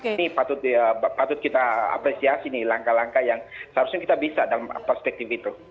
ini patut kita apresiasi nih langkah langkah yang seharusnya kita bisa dalam perspektif itu